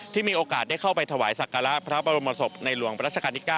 มีโอกาสได้เข้าไปถวายศักระพระบรมศพในหลวงรัชกาลที่๙